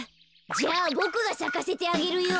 じゃあボクがさかせてあげるよ。